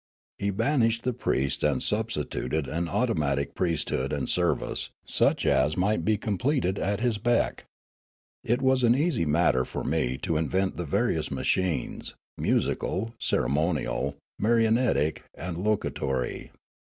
He banished the priests and substituted an automatic priesthood and service such as might be completely at his beck. It was an easy matter for me to invent the various machines, musical, ceremonial, marionettic, and locutory.